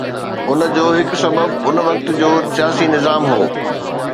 ان جو هڪ سبب ان وقت جو سياسي نظام هو.